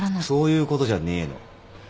そういうことじゃねえの。